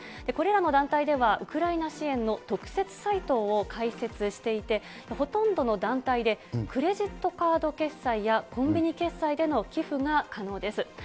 これらの団体では、ウクライナ支援の特設サイトを開設していて、ほとんどの団体で、クレジットカード決済やコンビニ決済での寄付が可能です。